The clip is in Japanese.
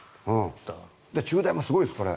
中大もすごいです、これ。